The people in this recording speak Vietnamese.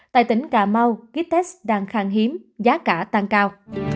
tại tỉnh cà mau ký test đang khang hiếm giá cả tăng cao